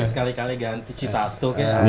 sekali kali ganti citatuk ya